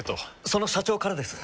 その社長からです。